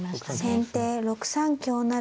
先手６三香成。